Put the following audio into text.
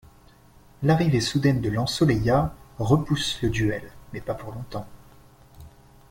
L'arrivée soudaine de L'Ensoleillad repousse le duel, mais pas pour longtemps.